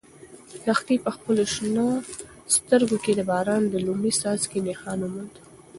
لښتې په خپلو شنه سترګو کې د باران د لومړي څاڅکي نښان وموند.